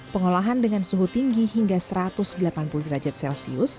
pengolahan dengan suhu tinggi hingga satu ratus delapan puluh derajat celcius